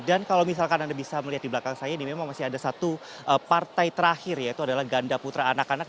dan kalau misalkan anda bisa melihat di belakang saya ini memang masih ada satu partai terakhir yaitu adalah ganda putra anak anak